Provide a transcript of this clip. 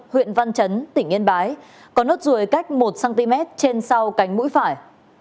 huyện văn chấn tỉnh yên bái có nốt ruồi cách một cm trên sau cánh mũi phải